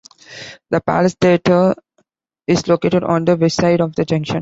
The Palace Theatre is located on the west side of the junction.